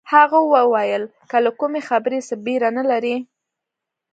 هغه وویل که له کومې خبرې څه بېره نه لرئ.